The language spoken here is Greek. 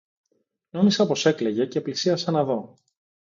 Νόμισα πως έκλαιγε και πλησίασα να δω